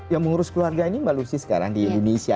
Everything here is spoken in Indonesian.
yang mengurus keluarga ini malusi sekarang di indonesia